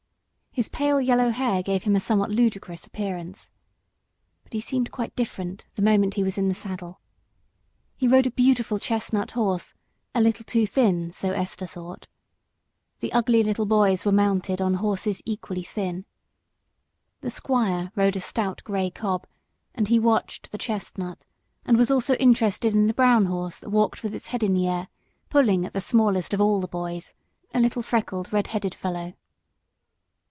His pale yellow hair gave him a somewhat ludicrous appearance, as he stood talking to his father, but the moment he prepared to get into the saddle he seemed quite different. He rode a beautiful chestnut horse, a little too thin, Esther thought, and the ugly little boys were mounted on horses equally thin. The squire rode a stout grey cob, and he watched the chestnut, and was also interested in the brown horse that walked with its head in the air, pulling at the smallest of all the boys, a little freckled, red headed fellow.